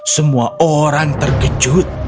semua orang terkejut